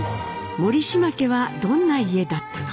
森嶋家はどんな家だったのか？